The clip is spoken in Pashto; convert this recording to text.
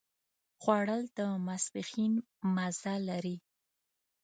خوړل د ماسپښين مزه لري